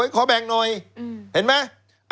ขอแบ่งหน่อยเห็นไหม